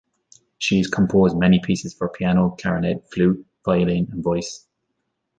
She has composed many pieces for piano, clarinet, flute, violin and voice.